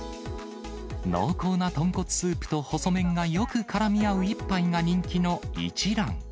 濃厚な豚骨スープと細麺がよくからみ合う一杯が人気の一蘭。